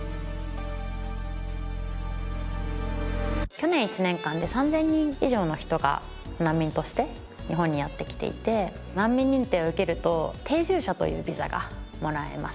去年１年間で３０００人以上の人が難民として日本にやって来ていて難民認定を受けると定住者というビザがもらえます。